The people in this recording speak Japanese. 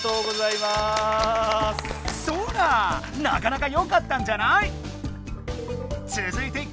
なかなかよかったんじゃない！